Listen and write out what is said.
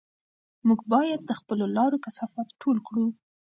موږ باید د خپلو لارو کثافات ټول کړو.